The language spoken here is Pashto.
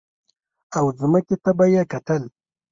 او ځمکې ته به یې کتل.